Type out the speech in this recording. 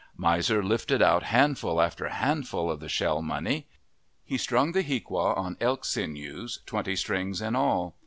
Miser lifted out handful after handful of the shell money. He strung the hiaqua on elk sinews, twenty strings in all.